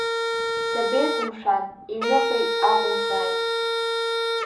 Сабеиго, мшәан, иҩныҟа акәымзааит.